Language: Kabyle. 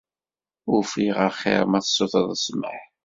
Ufiɣ axir ma ssutreɣ ssmaḥ.